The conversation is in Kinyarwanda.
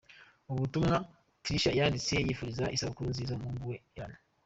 Ubutumwa Tricia yanditse yifuriza isabukuru nziza umuhungu we Elan.